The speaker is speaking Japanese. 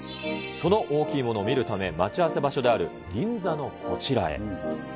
その大きいものを見るため、待ち合わせ場所である銀座のこちらへ。